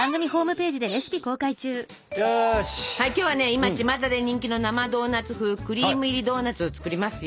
今ちまたで人気の生ドーナツ風クリーム入りドーナツを作りますよ。